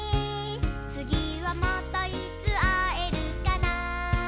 「つぎはまたいつあえるかな」